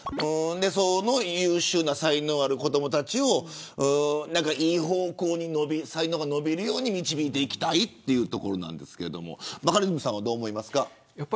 その優秀な才能ある子どもたちをいい方向に才能が伸びるように導いていきたいですがバカリズムさんはどう思いますか。